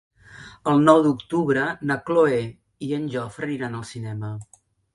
El nou d'octubre na Cloè i en Jofre aniran al cinema.